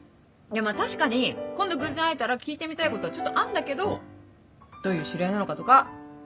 まぁ確かに今度偶然会えたら聞いてみたいことはちょっとあんだけどどういう知り合いなのかとか。